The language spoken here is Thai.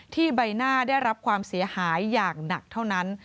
ใบหน้าได้รับความเสียหายอย่างหนักเท่านั้น